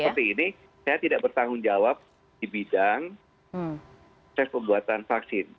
seperti ini saya tidak bertanggung jawab di bidang pembuatan vaksin